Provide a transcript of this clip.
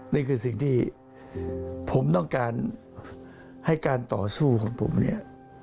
นี่คือสิ่งที่ผมต้องการให้การต่อสู้ของผมเนี่ย